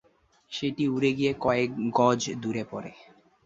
সেটি উড়ে গিয়ে কয়েক গজ দূরে পড়ে।